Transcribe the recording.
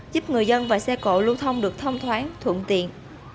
giúp người dân và xe cộ lưu thông được thông thoáng thuận tiện